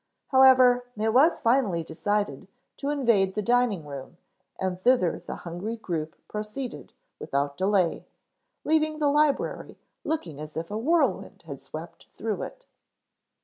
However, it was finally decided to invade the dining room and thither the hungry group proceeded without delay, leaving the library looking as if a whirlwind had swept through it.